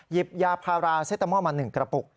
หยิบยาพาราเซตาโม้มา๑กระปุก